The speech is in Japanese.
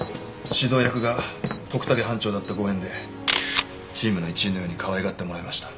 指導役が徳武班長だったご縁でチームの一員のようにかわいがってもらいました。